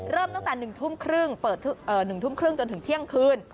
เริ่มตั้งแต่๑ทุ่มครึ่งเปิด๑ทุ่มครึ่งจนถึงเที่ยงคืน